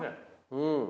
うん。